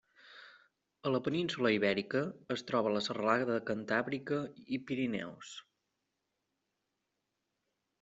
A la península Ibèrica es troba a la Serralada Cantàbrica i Pirineus.